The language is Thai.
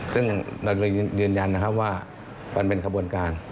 ซึ่งเรายืนยันนะครับว่ามันเป็นขบวนการ